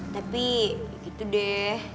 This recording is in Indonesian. tapi gitu deh